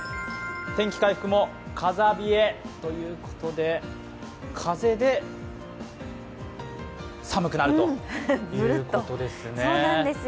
天気回復も風冷えということで風で寒くなるということですね。